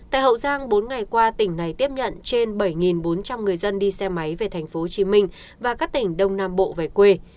tại hậu giang bốn ngày qua tỉnh này tiếp nhận trên bảy bốn trăm linh người dân đi xe máy về tp hcm và các tỉnh đông nam bộ về quê